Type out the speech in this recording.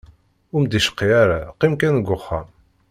Ur m-d-icqi ara, qqim kan deg uxxam.